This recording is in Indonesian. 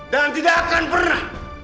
dan tidak akan pernah